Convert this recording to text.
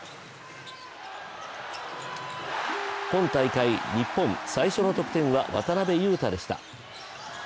今大会、日本最初の得点は渡邊雄太でした。